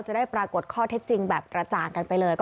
จะได้ปรากฏข้อเท็จจริงแบบกระจ่างกันไปเลย